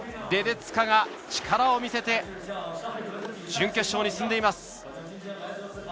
レデツカが力を見せて準決勝に進んでいます。